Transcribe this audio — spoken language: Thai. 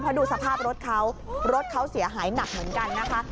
เพราะดูสภาพรถเขารถเขาเสียหายหนักเหมือนกันนะคะ